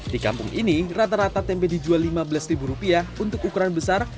di kampung ini rata rata tempe dijual lima belas rupiah untuk ukuran besar